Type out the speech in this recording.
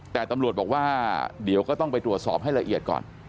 แต่ตำรวจบอกว่าเดี๋ยวก็ต้องไปตรวจสอบให้ละเอียดก่อน